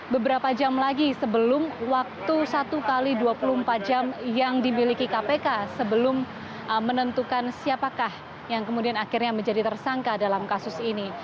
beberapa jam lagi sebelum waktu satu x dua puluh empat jam yang dimiliki kpk sebelum menentukan siapakah yang kemudian akhirnya menjadi tersangka dalam kasus ini